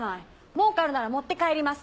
文句あるなら持って帰ります。